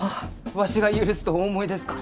わしが許すとお思いですか？